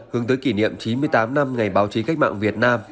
hướng tới kỷ niệm chín mươi tám năm ngày báo chí cách mạng việt nam